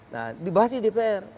nah dibahas di dpr